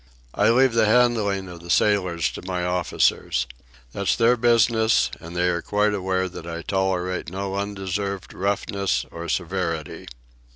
"I leave the handling of the sailors to my officers. That's their business, and they are quite aware that I tolerate no undeserved roughness or severity."